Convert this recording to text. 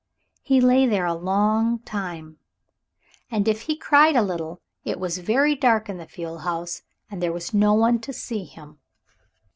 He lay there a long time, and if he cried a little it was very dark in the fuel house, and there was no one to see him.